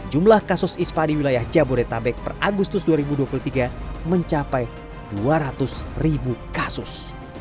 jumlah kasus ispa di wilayah jabodetabek per agustus dua ribu dua puluh tiga mencapai dua ratus ribu kasus